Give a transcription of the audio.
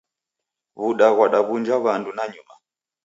W'uda ghwadaw'unja w'andu nanyuma